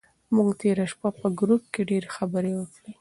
موږ تېره شپه په ګروپ کې ډېرې خبرې وکړې.